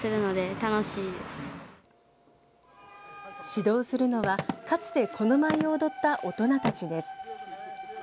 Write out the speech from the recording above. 指導するのは、かつてこの舞を踊った大人たちです。